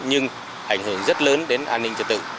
nhưng ảnh hưởng rất lớn đến an ninh trật tự